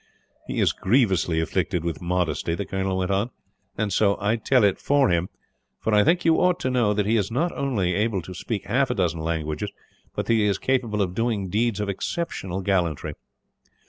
"He is grievously afflicted with modesty," the colonel went on; "and so I will tell it for him, for I think you ought to know that he is not only able to speak half a dozen languages, but that he is capable of doing deeds of exceptional gallantry.